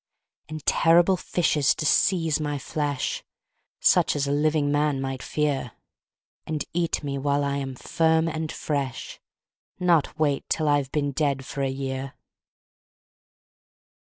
And terrible fishes to seize my flesh, Such as a living man might fear, And eat me while I am firm and fresh, Not wait till I've been dead for a year!